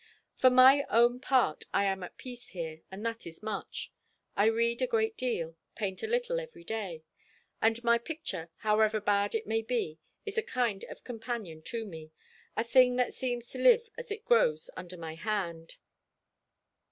"For my own part I am at peace here, and that is much. I read a great deal, paint a little every day; and my picture, however bad it may be, is a kind of companion to me, a thing that seems to live as it grows under my hand.